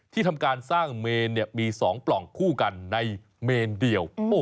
ทำการสร้างเมนมี๒ปล่องคู่กันในเมนเดียว